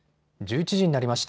１１時になりました。